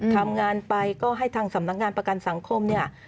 ทำงานไปก็ให้ทางสำนักงานประกันสังคมเนี่ย